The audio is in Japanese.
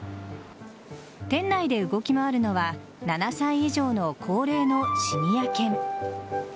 店内で動き回るのは７歳以上の高齢のシニア犬。